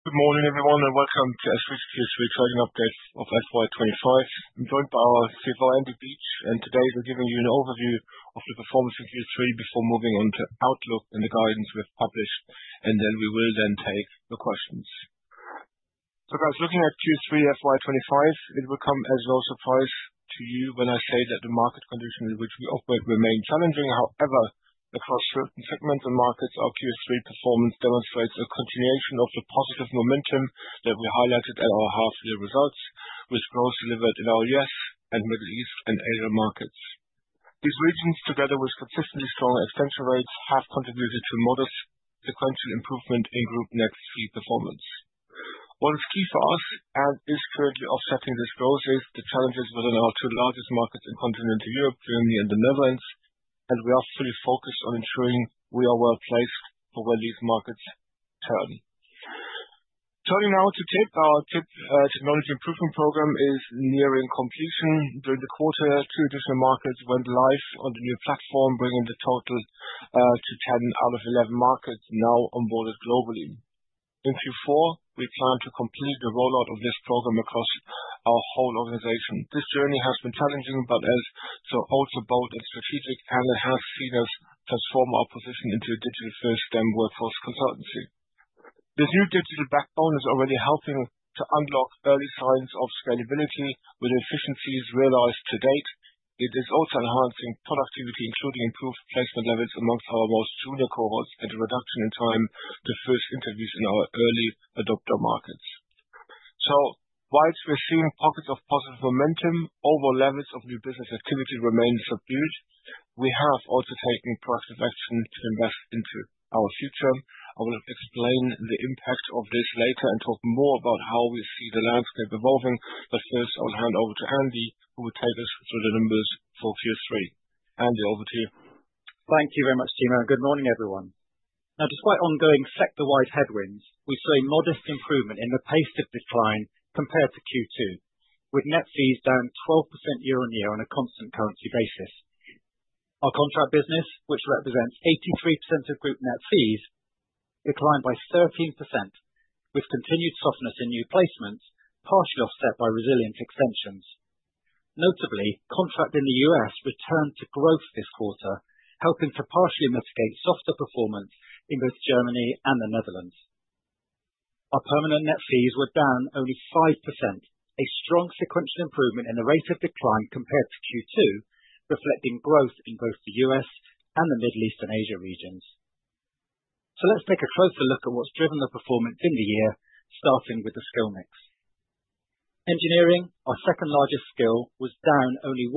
Good morning, everyone, and welcome to SThree trading update of FY25. I'm joined by our CFO, Andrew Beach, and today he'll be giving you an overview of the performance of Q3 before moving on to outlook and the guidance we have published. And then we will then take your questions. So guys, looking at Q3 FY25, it will come as no surprise to you when I say that the market conditions in which we operate remain challenging. However, across certain segments and markets, our Q3 performance demonstrates a continuation of the positive momentum that we highlighted at our half-year results, with growth delivered in our U.S. and Middle East and Asia markets. These regions, together with consistently strong extension rates, have contributed to modest sequential improvement in Group net fees performance. What is key for us and is currently offsetting this growth is the challenges within our two largest markets in Continental Europe, Germany, and the Netherlands, and we are fully focused on ensuring we are well placed for when these markets turn. Turning now to TIP, our Technology Improvement Programme is nearing completion. During the quarter, two additional markets went live on the new platform, bringing the total to 10 out of 11 markets now onboarded globally. In Q4, we plan to complete the rollout of this program across our whole organization. This journey has been challenging, but it's also both strategic, and it has seen us transform our position into a digital-first STEM workforce consultancy. This new digital backbone is already helping to unlock early signs of scalability with efficiencies realized to date. It is also enhancing productivity, including improved placement levels among our most junior cohorts and a reduction in time to first interviews in our early adopter markets. So while we're seeing pockets of positive momentum, overall levels of new business activity remain subdued. We have also taken proactive action to invest into our future. I will explain the impact of this later and talk more about how we see the landscape evolving. But first, I'll hand over to Andy, who will take us through the numbers for Q3. Andy, over to you. Thank you very much, Timo. Good morning, everyone. Now, despite ongoing sector-wide headwinds, we've seen modest improvement in the pace of decline compared to Q2, with net fees down 12% year-on-year on a constant currency basis. Our Contract business, which represents 83% of group net fees, declined by 13%, with continued softness in new placements, partially offset by resilient extensions. Notably, Contract in the U.S. returned to growth this quarter, helping to partially mitigate softer performance in both Germany and the Netherlands. Our Permanent net fees were down only 5%, a strong sequential improvement in the rate of decline compared to Q2, reflecting growth in both the U.S. and the Middle East and Asia regions. So let's take a closer look at what's driven the performance in the year, starting with the skill mix. Engineering, our second-largest skill, was down `only 1%,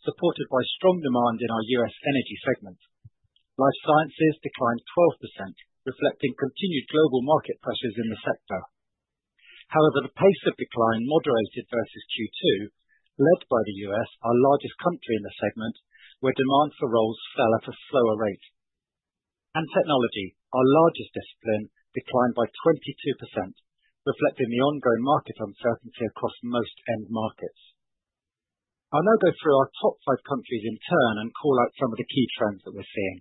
supported by strong demand in our U.S. Energy segment. Life Sciences declined 12%, reflecting continued global market pressures in the sector. However, the pace of decline moderated versus Q2, led by the U.S., our largest country in the segment, where demand for roles fell at a slower rate. And Technology, our largest discipline, declined by 22%, reflecting the ongoing market uncertainty across most end markets. I'll now go through our top five countries in turn and call out some of the key trends that we're seeing.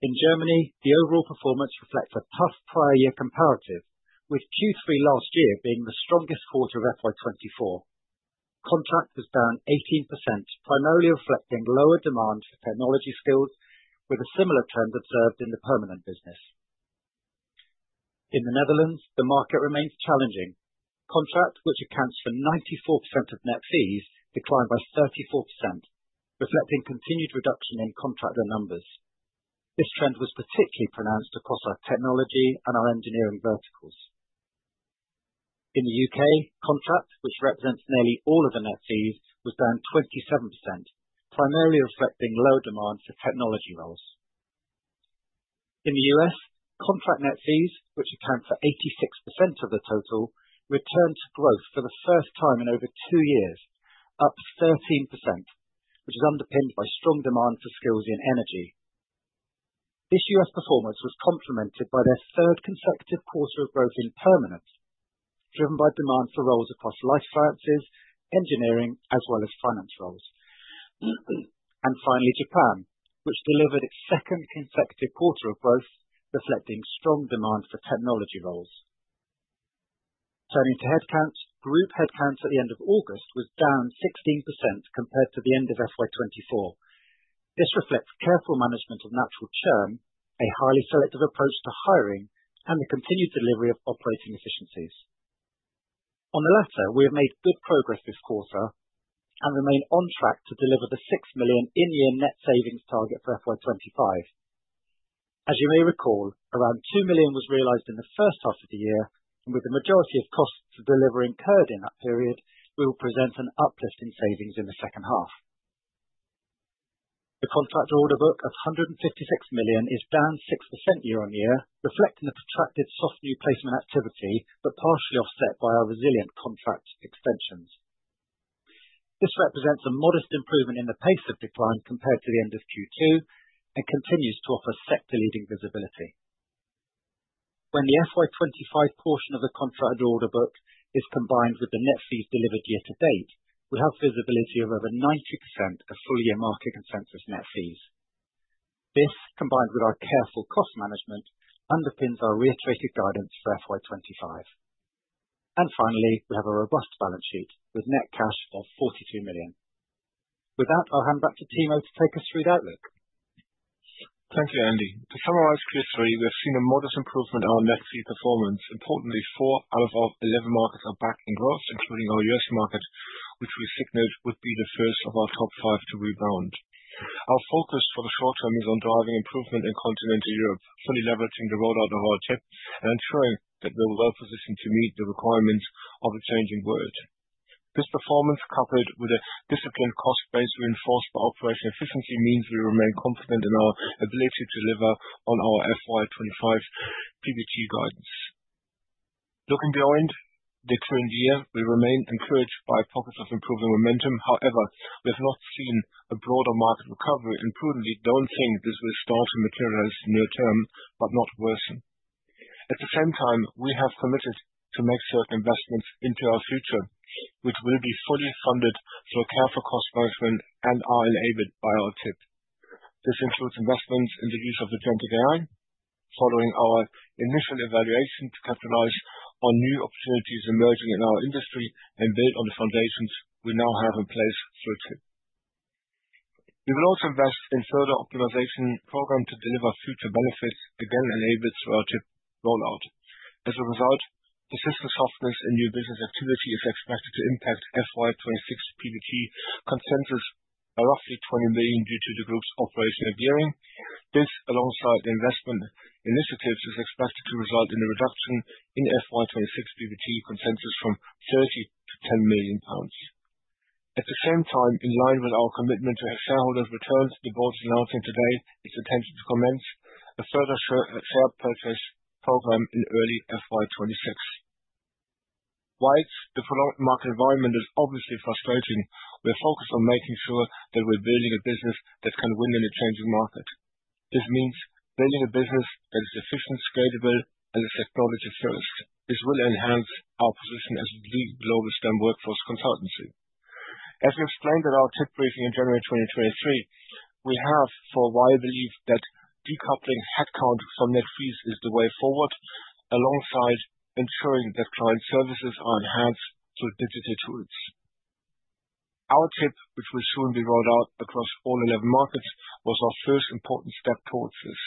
In Germany, the overall performance reflects a tough prior-year comparative, with Q3 last year being the strongest quarter of FY24. Contract was down 18%, primarily reflecting lower demand for Technology skills, with similar trends observed in the Permanent business. In the Netherlands, the market remains challenging. Contract, which accounts for 94% of net fees, declined by 34%, reflecting continued reduction in contractor numbers. This trend was particularly pronounced across our Technology and our Engineering verticals. In the UK, Contract, which represents nearly all of the net fees, was down 27%, primarily reflecting lower demand for Technology roles. In the U.S., Contract net fees, which account for 86% of the total, returned to growth for the first time in over two years, up 13%, which is underpinned by strong demand for skills in Energy. This U.S. performance was complemented by their third consecutive quarter of growth in Permanent, driven by demand for roles across Life Sciences, Engineering, as well as Finance roles, and finally, Japan, which delivered its second consecutive quarter of growth, reflecting strong demand for Technology roles. Turning to headcount, group headcount at the end of August was down 16% compared to the end of FY24. This reflects careful management of natural churn, a highly selective approach to hiring, and the continued delivery of operating efficiencies. On the latter, we have made good progress this quarter and remain on track to deliver the 6 million in-year net savings target for FY25. As you may recall, around 2 million was realized in the first half of the year. And with the majority of costs to deliver incurred in that period, we will present an uplift in savings in the second half. The Contract order book of 156 million is down 6% year-on-year, reflecting the protracted soft new placement activity, but partially offset by our resilient Contract extensions. This represents a modest improvement in the pace of decline compared to the end of Q2 and continues to offer sector-leading visibility. When the FY25 portion of the Contract order book is combined with the net fees delivered year to date, we have visibility of over 90% of full-year market consensus net fees. This, combined with our careful cost management, underpins our reiterated guidance for FY25. And finally, we have a robust balance sheet with net cash of 42 million. With that, I'll hand back to Timo to take us through the outlook. Thank you, Andy. To summarize Q3, we have seen a modest improvement in our net fee performance. Importantly, four out of our 11 markets are back in growth, including our U.S. market, which we signaled would be the first of our top five to rebound. Our focus for the short term is on driving improvement in continental Europe, fully leveraging the rollout of our TIP and ensuring that we're well positioned to meet the requirements of a changing world. This performance, coupled with a disciplined cost base reinforced by operational efficiency, means we remain confident in our ability to deliver on our FY25 PBT guidance. Looking beyond the current year, we remain encouraged by pockets of improving momentum. However, we have not seen a broader market recovery, and prudently, we don't think this will start to materialize in the near term, but not worsen. At the same time, we have committed to make certain investments into our future, which will be fully funded through careful cost management and are enabled by our TIP. This includes investments in the use of agentic AI, following our initial evaluation to capitalize on new opportunities emerging in our industry and build on the foundations we now have in place through TIP. We will also invest in further optimization programs to deliver future benefits, again enabled through our TIP rollout. As a result, persistent softness in new business activity is expected to impact FY26 PBT consensus by roughly 20 million due to the group's operational gearing. This, alongside investment initiatives, is expected to result in a reduction in FY26 PBT consensus from 30 million-10 million pounds. At the same time, in line with our commitment to return to shareholders, the board is announcing today its approval to commence a further share purchase program in early FY26. While the prolonged market environment is obviously frustrating, we are focused on making sure that we're building a business that can win in a changing market. This means building a business that is efficient, scalable, and is technology-first. This will enhance our position as the global STEM workforce consultancy. As we explained at our TIP briefing in January 2023, we have, for a while, believed that decoupling headcount from net fees is the way forward, alongside ensuring that client services are enhanced through digital tools. Our TIP, which will soon be rolled out across all 11 markets, was our first important step towards this.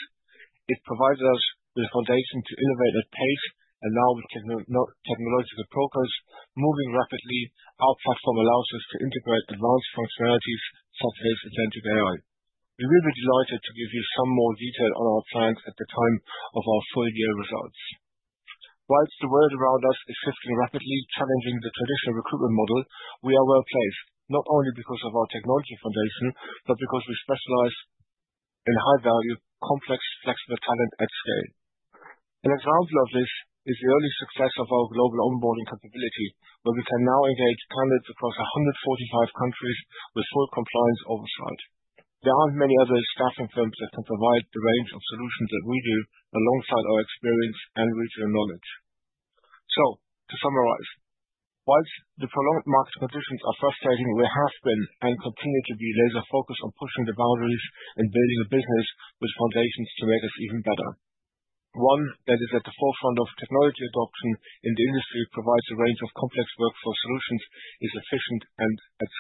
It provided us with a foundation to innovate at pace, allowing technological progress, moving rapidly. Our platform allows us to integrate advanced functionalities such as agentic AI. We will be delighted to give you some more detail on our plans at the time of our full-year results. While the world around us is shifting rapidly, challenging the traditional recruitment model, we are well placed, not only because of our technology foundation, but because we specialize in high-value, complex, flexible talent at scale. An example of this is the early success of our global onboarding capability, where we can now engage candidates across 145 countries with full compliance oversight. There aren't many other staffing firms that can provide the range of solutions that we do, alongside our experience and regional knowledge. So, to summarize, while the prolonged market conditions are frustrating, we have been and continue to be laser-focused on pushing the boundaries and building a business with foundations to make us even better. One that is at the forefront of technology adoption in the industry provides a range of complex workforce solutions is efficient and at.